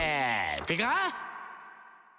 「ってか！」